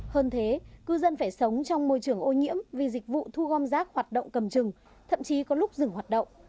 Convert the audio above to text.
hơn thế cư dân phải sống trong môi trường ô nhiễm vì dịch vụ thu gom rác hoạt động cầm trừng thậm chí có lúc dừng hoạt động